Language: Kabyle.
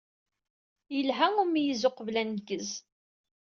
Yelha umeyyez uqbel agennez.